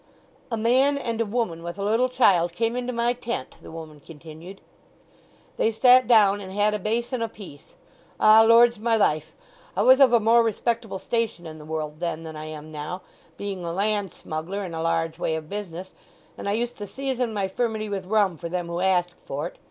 "A man and a woman with a little child came into my tent," the woman continued. "They sat down and had a basin apiece. Ah, Lord's my life! I was of a more respectable station in the world then than I am now, being a land smuggler in a large way of business; and I used to season my furmity with rum for them who asked for't.